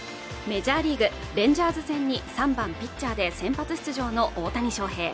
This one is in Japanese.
メジャーリーグレンジャーズ戦に３番ピッチャーで先発出場の大谷翔平